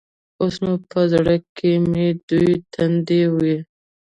اوس نو په زړه کښې مې دوې تندې وې.